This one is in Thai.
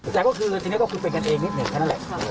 แต่ก็คือทีนี้ก็คือเป็นกันเองนิดหนึ่งแค่นั้นแหละ